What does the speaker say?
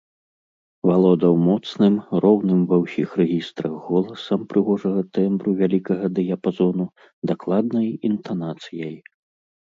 Валодаў моцным, роўным ва ўсіх рэгістрах голасам прыгожага тэмбру вялікага дыяпазону, дакладнай інтанацыяй.